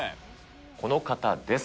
この方です。